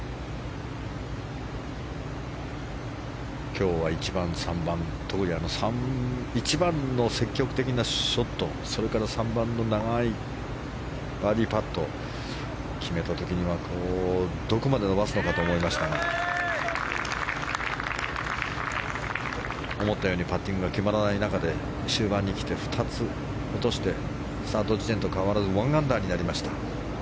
今日は１番、３番特に１番の積極的なショットそれから３番の長いバーディーパットを決めた時には、どこまで伸ばすのかと思いましたが思ったようにパッティングが決まらない中で終盤に来て、２つ落としてスタート時点と変わらず１アンダーになりました。